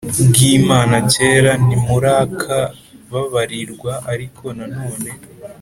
bw Imana Kera ntimurakababarirwa ariko none